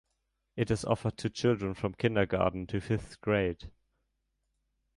It is offered to children from Kindergarten to Fifth grade.